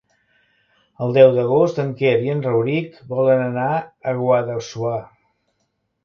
El deu d'agost en Quer i en Rauric volen anar a Guadassuar.